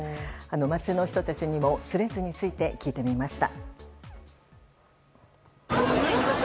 街の人たちにもＴｈｒｅａｄｓについて聞いてみました。